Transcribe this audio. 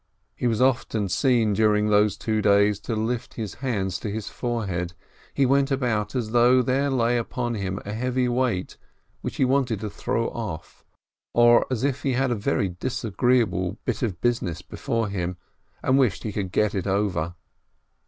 And he was often seen, during those two days, to lift his hands to his forehead. He went about as though there lay upon him a heavy weight, which he wanted to throw off ; or as if he had a very disagreeable 326 PINSKI bit of business before him, and wished he could get it over.